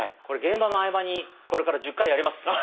これ現場の合間にこれから１０回やります。